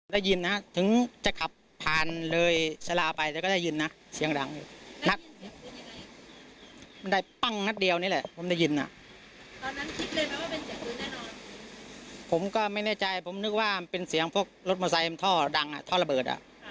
ผมนึกว่ามันเป็นเสียงพวกรถมอสไซค์มันท่อดังท่อระเบิด